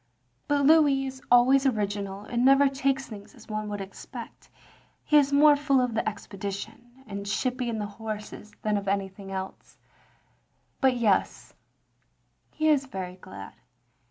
"But Louis is always original and never takes things as one would expect. He is more full of the expedition, OP GROSVENOR SQUARE 117 and shipping the horses, than of anything else, but yes — ^he is very glad.